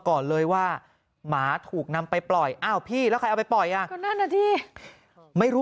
ก่อนเลยว่าหมาถูกนำไปปล่อยอ้าวพี่แล้วไปปล่อยอ่ะไม่รู้